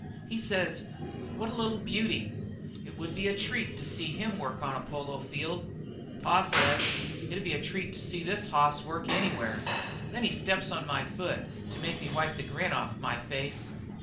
"He says: 'What a little beauty! It would be a treat to see him work on a polo field.' "Pa says: 'It'd'be a treat to see this hoss work anywhere.' "Then he steps on my foot to make me wipe the grin off'n my face.